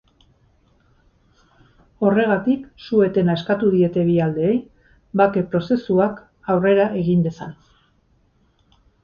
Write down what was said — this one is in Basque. Horregatik, su-etena eskatu diete bi aldeei, bake-prozesuak aurrera egin dezan.